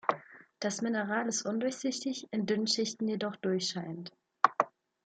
Das Mineral ist undurchsichtig, in dünnen Schichten jedoch durchscheinend.